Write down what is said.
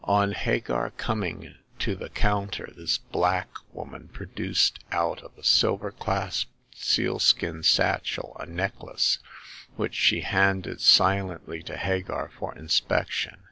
On Hagar coming to the counter this black woman produced out of a silver clasped sealskin satchel a necklace, which she handed silently to Hagar for inspection.